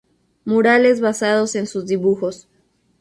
Murales basados en sus dibujos